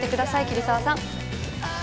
桐沢さん。